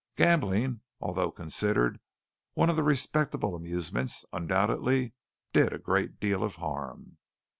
Gambling, although considered one of the respectable amusements, undoubtedly did a great deal of harm.